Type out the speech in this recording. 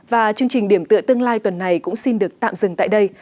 và chương trình điểm tựa tương lai tuần này cũng xin được tạm dừng tại đây